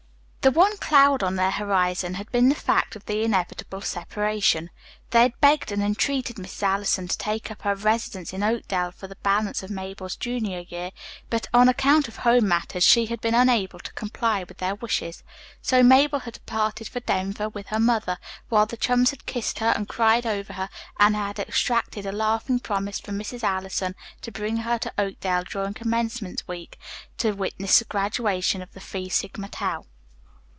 The one cloud on their horizon had been the fact of the inevitable separation. They had begged and entreated Mrs. Allison to take up her residence in Oakdale for the balance of Mabel's junior year, but on account of home matters she had been unable to comply with their wishes. So Mabel had departed for Denver with her mother, while the chums had kissed her and cried over her and had extracted a laughing promise from Mrs. Allison to bring her to Oakdale during commencement week to witness the graduation of the Phi Sigma Tau.